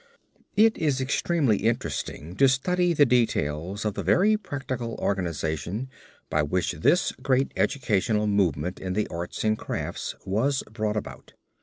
It is extremely interesting to study the details of the very practical organization by which this great educational movement in the arts and crafts was brought about.